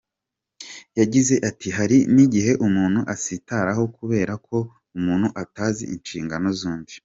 Yagize ati“Hari n’igihe umuntu asitaranaho kubera ko umuntu atazi inshingano zundi.”